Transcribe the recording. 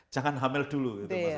jangan hamil dulu